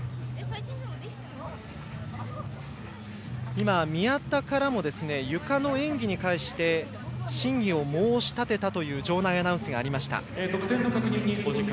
今、宮田からもゆかの演技に関して審議を申し立てたという場内アナウンスがありました。